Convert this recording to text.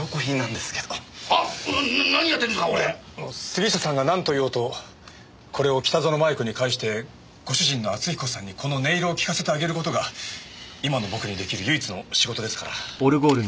杉下さんがなんと言おうとこれを北薗摩耶子に返してご主人の篤彦さんにこの音色を聴かせてあげる事が今の僕に出来る唯一の仕事ですから。